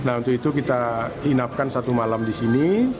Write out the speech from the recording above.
nah untuk itu kita inapkan satu malam di sini